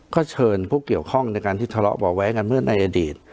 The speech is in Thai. ก็เชิญผู้เกี่ยวข้องในการที่ทะเลาะเบาะแว้งกันเมื่อในอดีต